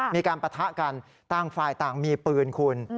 มีการปะทะกันตั้งฝ่ายต่างมีปืนคุณ